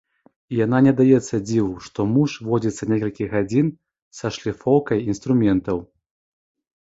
І яна не даецца дзіву, што муж возіцца некалькі гадзін са шліфоўкай інструментаў.